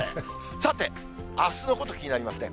さて、あすのこと気になりますね。